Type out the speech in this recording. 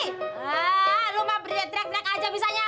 hah lo mau berdrek drek aja misalnya